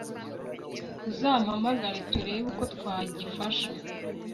uzampamagara turebe uko twagifasha